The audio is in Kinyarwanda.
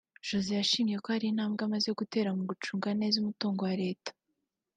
Josée yashimye ko hari intambwe imaze guterwa mu gucunga neza umutungo wa leta